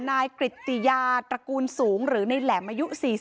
นายกริติยาตระกูลสูงหรือในแหลมอายุ๔๐